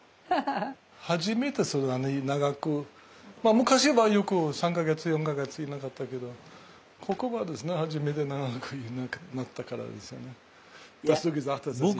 昔はよく３か月４か月いなかったけどここはですね初めて長くいなくなったからですよね。